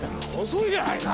遅いじゃないか！